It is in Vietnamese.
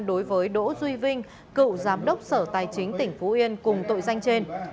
đối với đỗ duy vinh cựu giám đốc sở tài chính tỉnh phú yên cùng tội danh trên